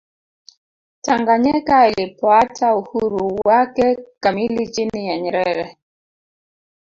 tanganyika ilipoata uhuru wake kamili chini ya nyerere